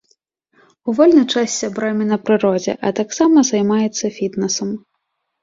У вольны час з сябрамі на прыродзе, а таксама займаецца фітнэсам.